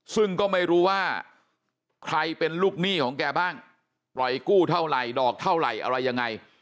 ซึ่งก็ไม่รู้ว่าใครเป็นลูกหนี้ของแกบ้างปล่อยกู้เท่าไหร่ดอกเท่าไหร่อะไรยังไง